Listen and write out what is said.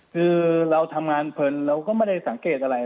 คือเราทำงานเพลินเราก็ไม่ได้สังเกตอะไร